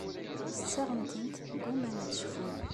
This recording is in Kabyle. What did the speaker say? Ɣas ttaɣen-tent ggumman ad cfun.